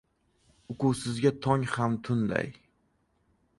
• Uquvsizga tong ham tunday.